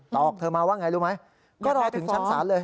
อกเธอมาว่าไงรู้ไหมก็รอถึงชั้นศาลเลย